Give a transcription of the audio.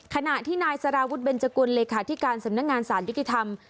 ขณะที่นายสารวุฒิเบนจกุลเลขาธิการสำนักงานสารยุติธรรม